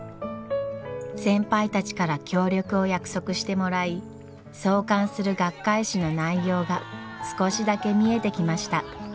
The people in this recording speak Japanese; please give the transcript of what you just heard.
先輩たちから協力を約束してもらい創刊する学会誌の内容が少しだけ見えてきました。